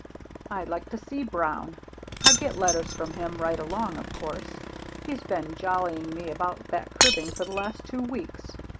"I'd like to see Brown. I get letters from him right along, of course. He's been jollying me about that cribbing for the last two weeks.